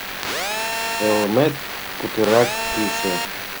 — Йылмет путырак пӱсӧ.